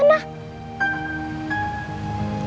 ayo deh yuk